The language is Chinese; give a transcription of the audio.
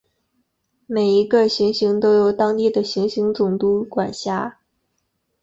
每一个行星都由当地的行星总督管辖。